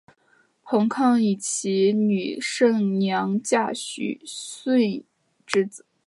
彭抗以其女胜娘嫁许逊之子。